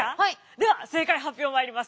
では正解発表まいります。